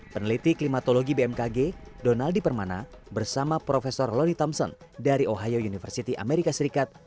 peneliti klimatologi bmkg donaldi permana bersama prof loni thompson dari ohio university amerika serikat